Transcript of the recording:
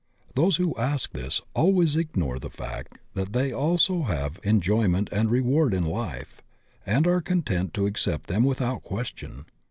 Those who ask this always ignore the fact that they also have enjoyment and reward in life and are content to accept them without question.